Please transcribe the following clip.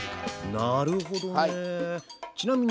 なるほどね。